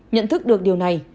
nhận thức được điều này